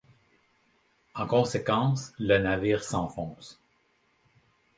En conséquence, le navire s'enfonce.